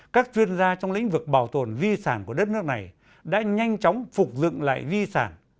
các chuyên gia trong lĩnh vực bảo tồn di sản của đất nước này đã nhanh chóng phục dựng lại di sản